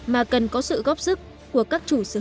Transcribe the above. mà cần có sự góp sức của các cơ quan quản lý nhà nước